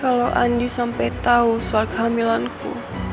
kalau andi sampai tahu soal kehamilanku